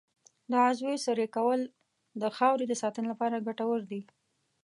د عضوي سرې کارول د خاورې د ساتنې لپاره ګټور دي.